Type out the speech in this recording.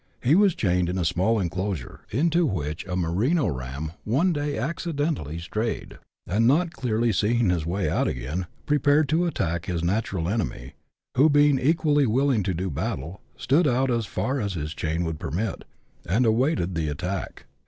He was chained in a small enclosure, into which a merino ram one day accidentally strayed, and not clearly seeing his way out again, prepared to attack his natural enemy, who being equally willing to do battle, stood out as far as his chain would permit, and awaited the attack.